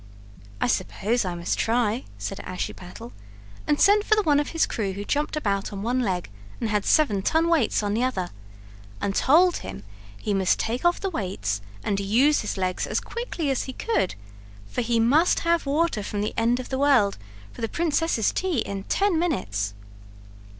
"I suppose I must try," said Ashiepattle, and sent for the one of his crew who jumped about on one leg and had seven ton weights on the other, and told him he must take off the weights and use his legs as quickly as he could, for he must have water from the end of the world for the princess's tea in ten minutes.